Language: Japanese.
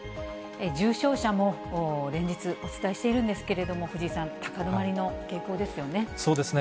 重症者も連日お伝えしているんですけれども、藤井さん、高止まりそうですね。